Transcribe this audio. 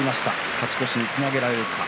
勝ち越しにつなげられるか。